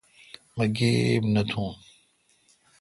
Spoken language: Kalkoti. مہ گیب نہ تھون